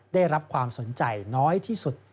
ได้รับความสนใจน้อยที่สุด